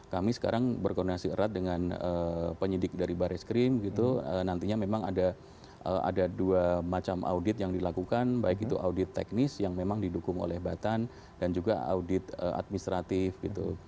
kami sekarang berkoordinasi erat dengan penyidik dari baris krim gitu nantinya memang ada dua macam audit yang dilakukan baik itu audit teknis yang memang didukung oleh batan dan juga audit administratif gitu